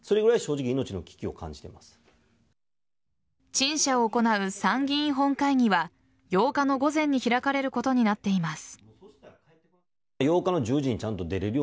陳謝を行う参議院本会議は８日の午前に開かれることになっています。